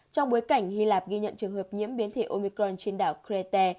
trong bối cảnh hy lạp ghi nhận trường hợp nhiễm biến thể omicron trên đảo crity